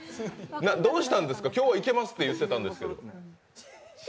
どうしたんですか、今日、いけますって言ってましたが。